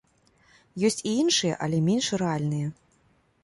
Ёсць і іншыя, але менш рэальныя.